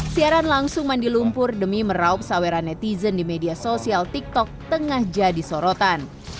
siaran langsung mandi lumpur demi meraup saweran netizen di media sosial tiktok tengah jadi sorotan